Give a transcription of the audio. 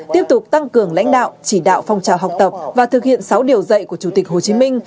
tiếp tục tăng cường lãnh đạo chỉ đạo phong trào học tập và thực hiện sáu điều dạy của chủ tịch hồ chí minh